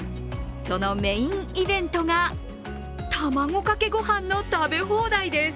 そのメインイベントが卵かけご飯の食べ放題です。